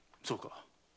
そうか。